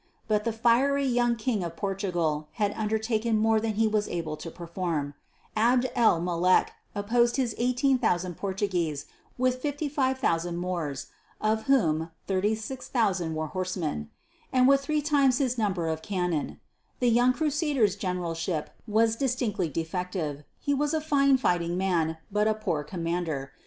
But the fiery young King of Portugal had undertaken more than he was able to perform. Abd el Mulek opposed his 18,000 Portuguese with 55,000 Moors, (of whom 36,000 were horsemen) and with three times his number of cannon. The young Crusader's generalship was distinctly defective; he was a fine fighting man, but a poor commander.